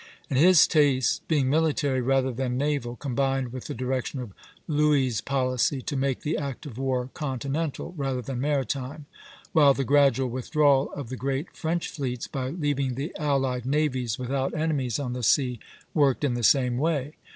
and his tastes being military rather than naval combined with the direction of Louis' policy to make the active war continental rather than maritime; while the gradual withdrawal of the great French fleets, by leaving the allied navies without enemies on the sea, worked in the same way.